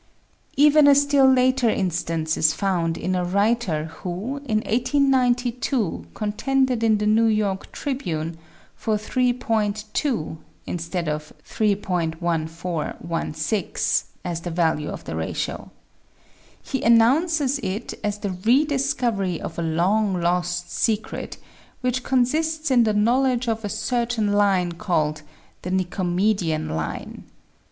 Even a still later instance is found in a writer who, in 1892, contended in the New York "Tribune" for 3.2 instead of 3.1416, as the value of the ratio. He an nounces it as the re discovery of a long lost secret, which consists in the knowledge of a certain line called "the Nicomedean line."